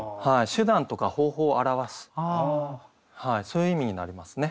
手段とか方法を表すそういう意味になりますね。